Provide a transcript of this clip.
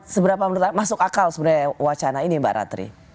seberapa masuk akal sebenarnya wacana ini mbak ratri